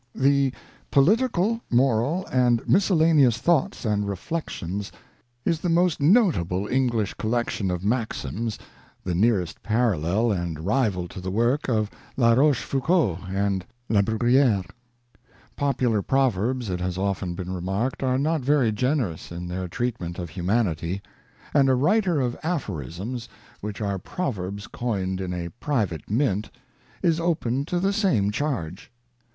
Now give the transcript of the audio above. The Political, Moral and Miscellaneous Thoughts and Reflections xxiv INTRODUCTION. Reflections is the most notable English collection of Maxims, the nearest parallel and rival to the work of La Roche foucauld and La Bruyere. Popular proverbs, it has often been remarked, are not very generous in their treatment of humanity ; and a writer of aphorisms, which are pro verbs coined in a private mint, is open to the same charge.